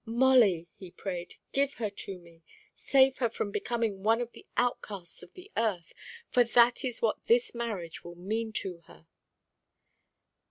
"Molly," he prayed, "give her to me. Save her from becoming one of the outcast of the earth. For that is what this marriage will mean to her."